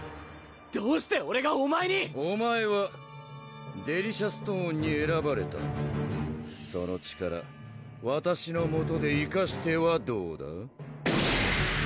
どうしてオレがお前にお前はデリシャストーンにえらばれたその力わたしのもとで生かしてはどうだ？